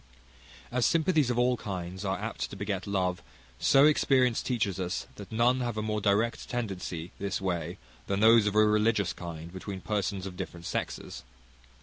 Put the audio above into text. As sympathies of all kinds are apt to beget love, so experience teaches us that none have a more direct tendency this way than those of a religious kind between persons of different sexes.